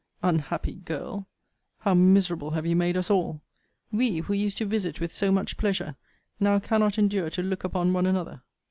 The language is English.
Unhappy girl! how miserable have you made us all! We, who used to visit with so much pleasure, now cannot endure to look upon one another.